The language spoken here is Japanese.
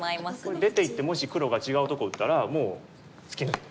これ出ていってもし黒が違うとこ打ったらもう突き抜けて。